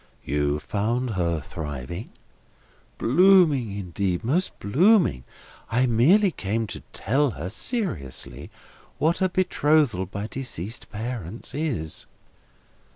"You found her thriving?" "Blooming indeed. Most blooming. I merely came to tell her, seriously, what a betrothal by deceased parents is."